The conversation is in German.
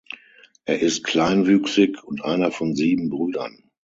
Er ist kleinwüchsig und einer von sieben Brüdern.